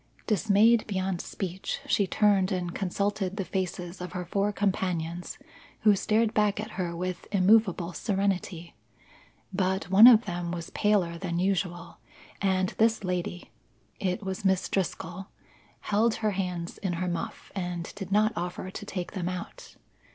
Dismayed beyond speech, she turned and consulted the faces of her four companions who stared back at her with immovable serenity. But one of them was paler than usual, and this lady (it was Miss Driscoll) held her hands in her muff and did not offer to take them out.